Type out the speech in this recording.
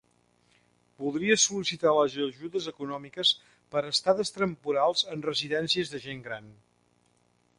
Voldria sol·licitar les ajudes econòmiques per estades temporals en residències de gent gran.